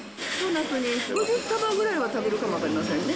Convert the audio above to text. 一夏に５０束ぐらいは食べるかも分かりませんね。